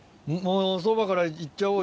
蕎麦からいっちゃおうよ。